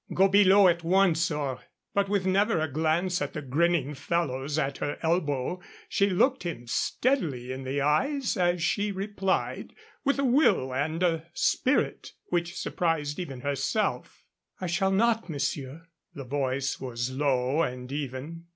Go below at once or " But with never a glance at the grinning fellows at her elbow, she looked him steadily in the eyes as she replied, with a will and spirit which surprised even herself: "I shall not, monsieur." The voice was low and even.